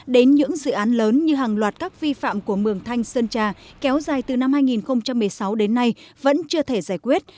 đến những dự án lớn như hàng loạt các vi phạm của mường thanh sơn trà kéo dài từ năm hai nghìn một mươi sáu đến nay vẫn chưa thể giải quyết